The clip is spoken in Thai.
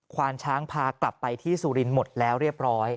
ควานช้างพากลับไปที่สุรินทร์หมดแล้วเรียบร้อย